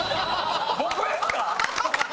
僕ですか？